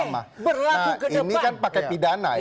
nah ini kan pakai pidana ya